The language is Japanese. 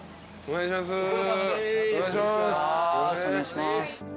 お願いします。